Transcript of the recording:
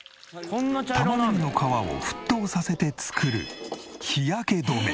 玉ねぎの皮を沸騰させて作る日焼け止め。